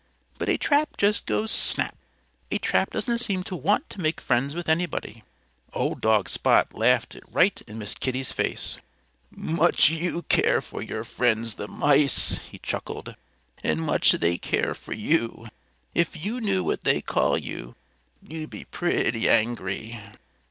But a trap just goes snap! A trap doesn't seem to want to make friends with anybody." Old dog Spot laughed right in Miss Kitty's face. "Much you care for your friends the mice!" he chuckled. "And much they care for you! If you knew what they call you, you'd be pretty angry."